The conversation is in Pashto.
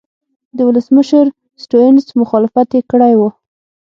د ولسمشر سټیونز مخالفت یې کړی و.